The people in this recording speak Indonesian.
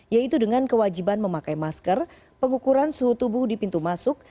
yaitu dengan kewajiban memakai masker pengukuran suhu tubuh di pintu masuk